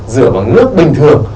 rửa bằng nước bình thường